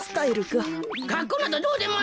かっこうなどどうでもいい。